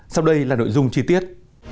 sau đây là nội dung chi tiết